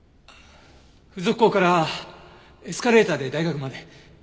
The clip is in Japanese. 付属校からエスカレーターで大学まで。